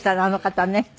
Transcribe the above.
あの方はね。